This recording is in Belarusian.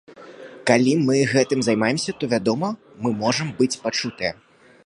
Калі мы гэтым займаемся, то вядома мы можам быць пачутыя.